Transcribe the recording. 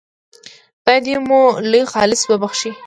خدای دې مولوي خالص وبخښي.